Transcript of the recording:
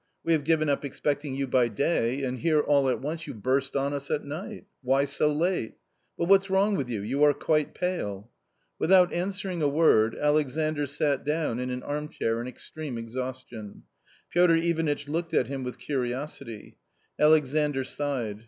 We have given up expecting you by day, and here all at once you burst on us at night ! Why so late ? But what's wrong with you ? you are quite pale." Without answering a. iVoi'cT, Alexandr sat down in an armchair in extreme exhaustion. Piotr Ivanitch looked at him with curiosity. Alexandr sighed.